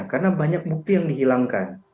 karena banyak bukti yang dihilangkan